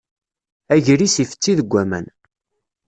Agris ifessi deg waman.